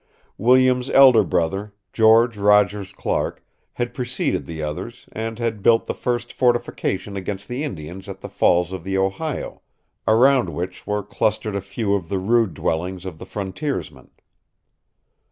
William's elder brother, George Rogers Clark, had preceded the others, and had built the first fortification against the Indians at the Falls of the Ohio, around which were clustered a few of the rude dwellings of the frontiersmen.